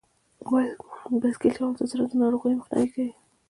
بایسکل چلول د زړه د ناروغیو مخنیوی کوي.